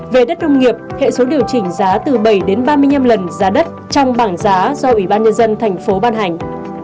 về đất nông nghiệp hệ số điều chỉnh giá từ bảy đến ba mươi năm lần giá đất trong bảng giá do ủy ban nhân dân thành phố ban hành